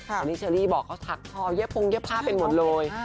อันนี้เชอรี่บอกเขาถักทอเย็บพงเย็บผ้าไปหมดเลย